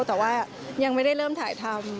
แต่ว่ายังไม่ได้เริ่มถ่ายทำ